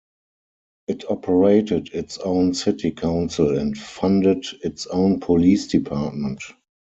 It operated its own city council and funded its own police department.